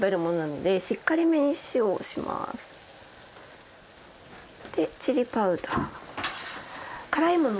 でチリパウダー。